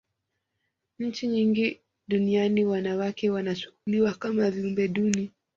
nchi nyingi duniani wanawake wanachukuliwa kama viumbe duni